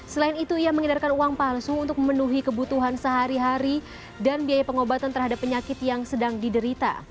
selain itu ia mengedarkan uang palsu untuk memenuhi kebutuhan sehari hari dan biaya pengobatan terhadap penyakit yang sedang diderita